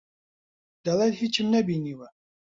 دەڵێت هیچم نەبینیوە.